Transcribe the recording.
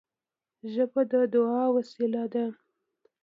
ژبه د دعا وسیله ده